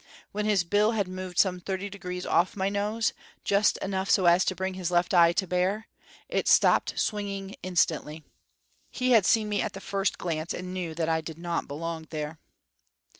When his bill had moved some thirty degrees off my nose, just enough so as to bring his left eye to bear, it stopped swinging instantly. He had seen me at the first glance, and knew that I did not belong there.